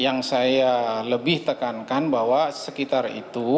yang saya lebih tekankan bahwa sekitar itu